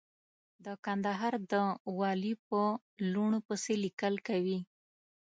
د کندهار د والي په لوڼو پسې ليکل کوي.